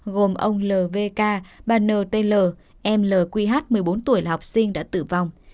gồm ông lvk bà ntl em lqh một mươi bốn tuổi là học sinh đã tử vong